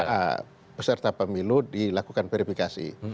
nah peserta pemilu dilakukan verifikasi